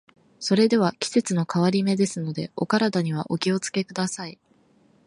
それでは、季節の変わり目ですので、お体にはお気を付けください。